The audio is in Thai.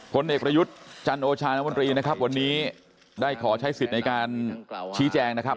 ผลเอกประยุทธ์จันโอชานมนตรีนะครับวันนี้ได้ขอใช้สิทธิ์ในการชี้แจงนะครับ